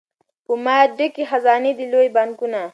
په ما ډکي خزانې دي لوی بانکونه